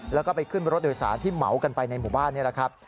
แล้วก็ไปขึ้นรถโดยสารที่เหมากันไปในหมู่บ้านนี่แหละครับ